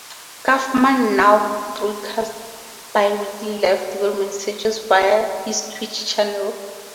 Kaufman now broadcasts bi-weekly live development sessions via his Twitch channel.